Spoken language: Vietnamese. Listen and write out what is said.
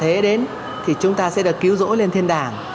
thế đến thì chúng ta sẽ được cứu rỗi lên thiên đảng